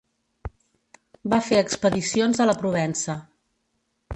Va fer expedicions a la Provença.